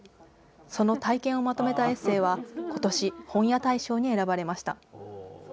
その体験をまとめたエッセイはことし、本屋大賞に選ばれました。